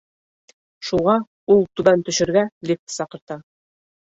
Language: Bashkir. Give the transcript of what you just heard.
Шуға ул түбән төшөргә Лифт саҡырта.